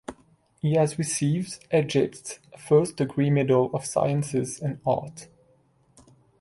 He has received Egypt's First Degree Medal of Sciences and Art.